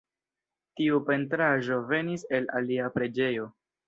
Tiu pentraĵo venis el alia preĝejo.